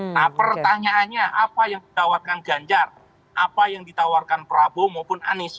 nah pertanyaannya apa yang ditawarkan ganjar apa yang ditawarkan prabowo maupun anies